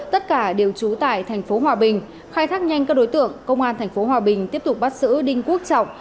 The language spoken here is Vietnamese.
tất cả đều trú tại tp hòa bình khai thác nhanh các đối tượng công an tp hòa bình tiếp tục bắt xử đinh quốc trọng